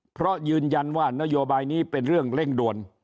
เพราะยืนยันว่านโยบายนี้เป็นเรื่องเร่งด่วน